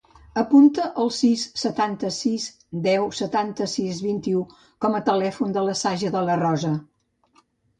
Apunta el sis, setanta-sis, deu, setanta-sis, vint-i-u com a telèfon de la Saja De La Rosa.